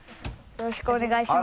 よろしくお願いします。